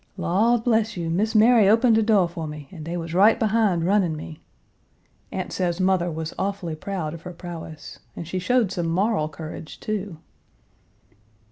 "Lawd bless you, Miss Mary opened de do' for me and dey was right behind runnin' me " Aunt says mother was awfully proud of her prowess. And she showed some moral courage, too!